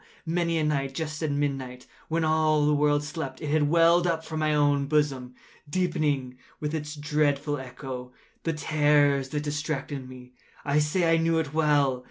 Many a night, just at midnight, when all the world slept, it has welled up from my own bosom, deepening, with its dreadful echo, the terrors that distracted me. I say I knew it well.